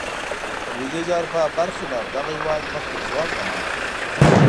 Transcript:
د لوېدیځې اروپا برخلاف دغه هېواد مخ پر ځوړ روان شو.